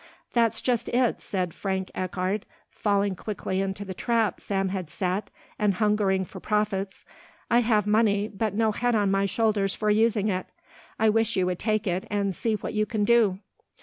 "That's just it," said Frank Eckardt, falling quickly into the trap Sam had set, and hungering for profits; "I have money but no head on my shoulders for using it. I wish you would take it and see what you can do."